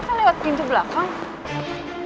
kita lewat pintu belakang